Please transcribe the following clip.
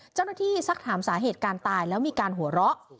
เจ้าหน้าที่สักถามสาเหตุการณ์ตายแล้วมีการหัวเราะ